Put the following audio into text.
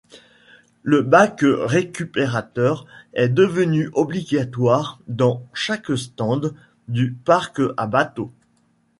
Le bac récupérateur est devenu obligatoire dans chaque stand du parc à bateaux.